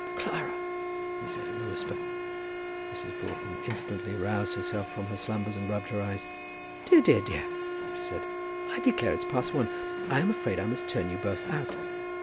"Clara," he said, in a whisper. Mrs. Broughton instantly aroused herself from her slumbers, and rubbed her eyes. "Dear, dear, dear," she said, "I declare it's past one. I'm afraid I must turn you both out.